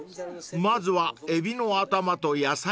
［まずはエビの頭と野菜から］